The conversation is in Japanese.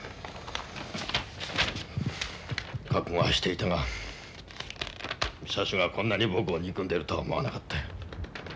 覚悟はしていたが社主がこんなに僕を憎んでるとは思わなかったよ。